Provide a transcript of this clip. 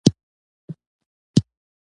نوله همدې امله تجاران مکلف دی چي دخپلو توکو